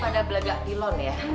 aduh aduh aduh aduh